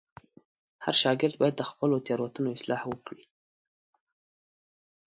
هر شاګرد باید د خپلو تېروتنو اصلاح وکړي.